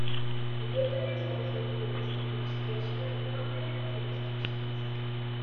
The database also includes legislation of non-member jurisdictions.